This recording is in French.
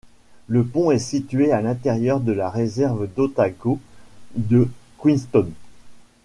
Le pont est situé à l'intérieur de la Réserve d'Otago de Queenstown.